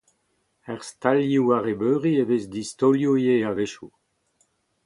Er stalioù-arrebeuri e vez distaolioù ivez a-wechoù.